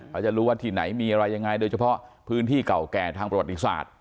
เขาจะรู้ว่าที่ไหนมีอะไรยังไงโดยเฉพาะพื้นที่เก่าแก่ทางประวัติศาสตร์